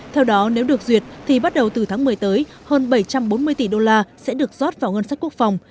theo đó nếu được duyệt thì bắt đầu từ tháng một mươi tới hơn bảy trăm bốn mươi tỷ đô la sẽ được rót vào ngân sách quốc phòng